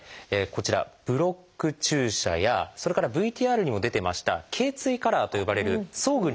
こちらブロック注射やそれからＶＴＲにも出てました「頚椎カラー」と呼ばれる装具による固定が。